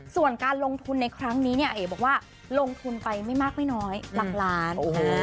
ส่วนการลงทุนในครั้งนี้เนี่ยเอ๋บอกว่าลงทุนไปไม่มากไม่น้อยหลักล้าน